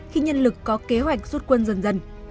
khi nhân lực có kế hoạch rút quân dần dần